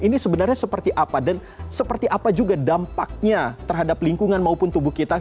ini sebenarnya seperti apa dan seperti apa juga dampaknya terhadap lingkungan maupun tubuh kita